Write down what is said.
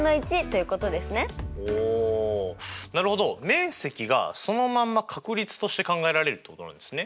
面積がそのまま確率として考えられるってことなんですね。